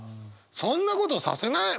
そんなことさせない。